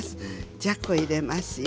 じゃこを入れますよ。